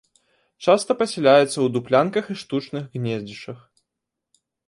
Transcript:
Часта пасяляецца ў дуплянках і штучных гнездзішчах.